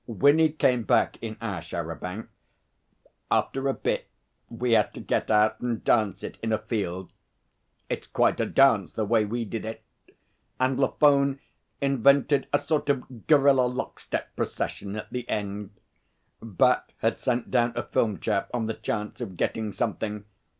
Winnie came back in our char à banc. After a bit we had to get out and dance it in a field. It's quite a dance the way we did it and Lafone invented a sort of gorilla lockstep procession at the end. Bat had sent down a film chap on the chance of getting something.